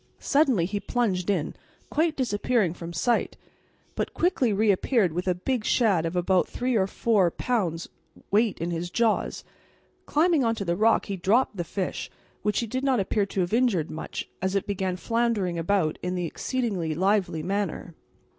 Suddenly he plunged in, quite disappearing from sight, but quickly reappeared with a big shad of about three and a half or four pounds' weight in his jaws. Climbing on to the rock he dropped the fish, which he did not appear to have injured much, as it began floundering about in an exceedingly lively manner.